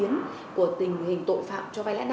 hai năm trăm năm mươi năm một năm